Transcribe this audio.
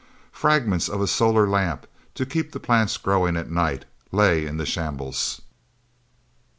Fragments of a solar lamp, to keep the plants growing at night, lay in the shambles.